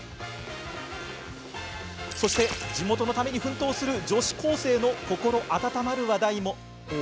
そして、地元のために奮闘する女子高生の心温まる話題も。